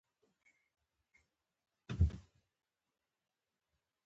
زه اوس ځم .